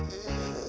tidak ada apa apa